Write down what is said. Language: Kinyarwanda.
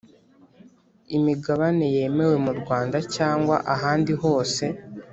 imigabane yemewe mu Rwanda cyangwa ahandi hose